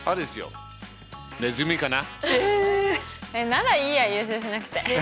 ならいいや優勝しなくて。